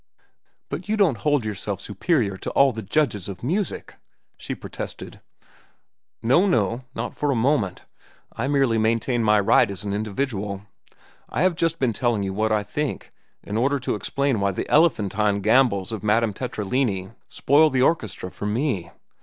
"But you don't hold yourself superior to all the judges of music?" she protested. "No, no, not for a moment. I merely maintain my right as an individual. I have just been telling you what I think, in order to explain why the elephantine gambols of Madame Tetralani spoil the orchestra for me.